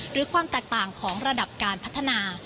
ความแตกต่างของระดับการพัฒนา